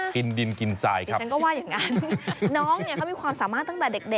กินดินกินสายครับ